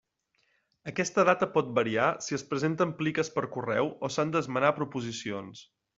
Aquesta data pot variar si es presenten pliques per correu o s'han d'esmenar proposicions.